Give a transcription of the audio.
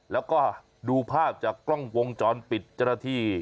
แล้วก็ดูภาพจากกล้องวงจรปิดจรฐี